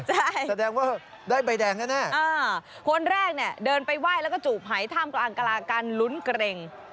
ใช่แสดงว่าได้ใบแดงแน่คนแรกเนี่ยเดินไปไหว้แล้วก็จูบหายท่ามกลางกลากันลุ้นเกร็ง